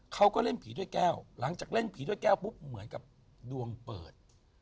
เขาก็เล่นผีด้วยแก้วหลังจากเล่นผีด้วยแก้วปุ๊บเหมือนกับดวงเปิด